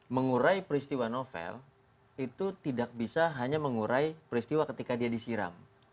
mengurai peristiwa novel itu tidak bisa hanya mengurai peristiwa ketika dia disiram